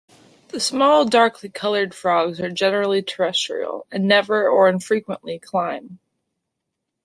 The small, darkly coloured frogs are generally terrestrial, and never, or infrequently, climb.